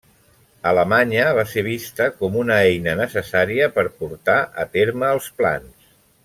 Alemanya va ser vista com una eina necessària per portar a terme els plans.